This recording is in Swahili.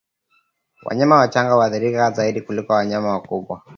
Wanyama wachanga huathirika zaidi kuliko wanyama wakubwa